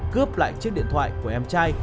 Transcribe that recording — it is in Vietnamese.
cướp lại chiếc điện thoại của em trai